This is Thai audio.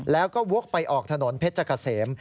แล้วก็วุกไปออกถนนเผ็ดจักรเสม